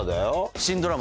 新ドラマ。